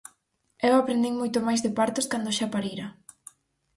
Eu aprendín moito máis de partos cando xa parira.